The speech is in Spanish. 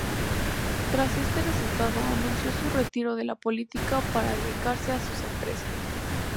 Tras este resultado anunció su retiro de la política para dedicarse a sus empresas.